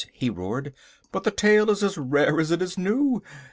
he roared, "but the tale is as rare as it is new!